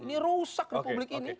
ini rusak republik ini